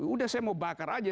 udah saya mau bakar aja